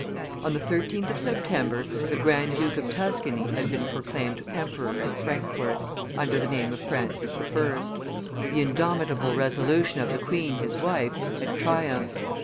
On the 13th of September, the Grand duke of Tuscany had been proclaimed emperor at Frankfurt, under the name of Francis I. The indomitable resolution of the queen his wife had triumphed.